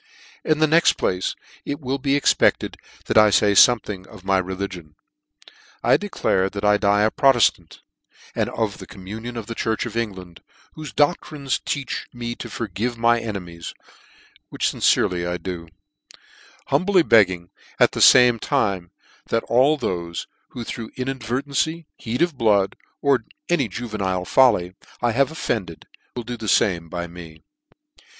In the next place, it will be expected that I fay fomething of my religion. I declare, that I die a Proteftant, and of the communion of the church of England, whofe doclririe teaches me to forgive my enemies, which lincerely I do ; humbly begging, at the fame time that all thofe, who through inadvertency, heat of blood, or any juvenile folly, I have of fended, will do the fame to me.